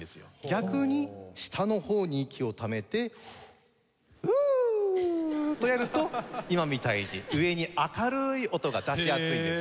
逆に下の方に息をためてフーッ！とやると今みたいに上に明るい音が出しやすいんです。